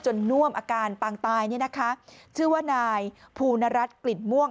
จนน่วมอาการปางตายชื่อว่านายภูนรัฐกลิ่นม่วง